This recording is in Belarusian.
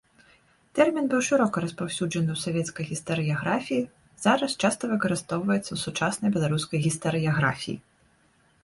Тэрмін быў шырока распаўсюджаны ў савецкай гістарыяграфіі, зараз часта выкарыстоўваецца ў сучаснай беларускай гістарыяграфіі.